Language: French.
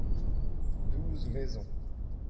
douze maisons.